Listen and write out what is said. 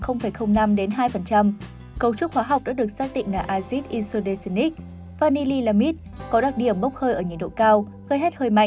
cấu trúc hóa học đã được xác định là azit insulinic vanillilamide có đặc điểm bốc hơi ở nhiệt độ cao gây hét hơi mạnh